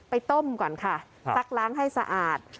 ต้มก่อนค่ะซักล้างให้สะอาด